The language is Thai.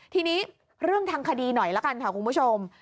ทีนี้เรื่องทางคดีหน่อยละกันค่ะคุณผู้ชม